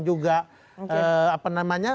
juga apa namanya